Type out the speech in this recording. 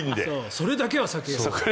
それだけは避けようと。